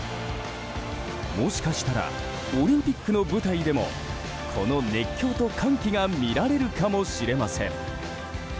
もしかしたらオリンピックの舞台でもこの熱狂と歓喜が見られるかもしれません。